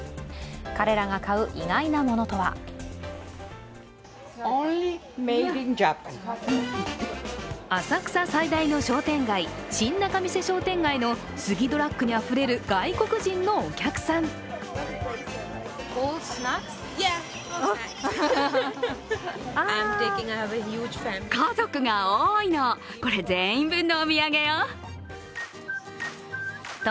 彼らが買う意外なものとは浅草最大の商店街、新仲見世商店街のスギドラッグにあふれる外国人のお客さん。と